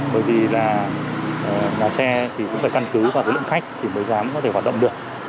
bởi vì là nhà xe thì cũng phải căn cứ vào cái lượng khách thì mới dám có thể hoạt động được